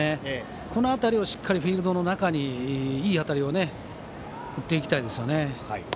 この辺りをしっかりフィールドの中にいい当たりを打っていきたいです。